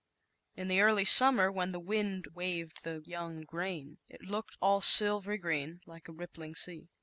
In the early summer, when the waved the young grain, it ooked all silvery green like a rip pling sea.